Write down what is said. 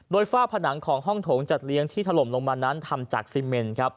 โดยฝ้าผนังของห้องโถงจัดเลี้ยงที่ถล่มลงมานั้นทำจากซีเมนครับ